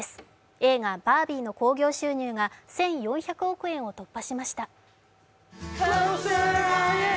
映画「バービー」の興行収入が１４００億円を突破しました。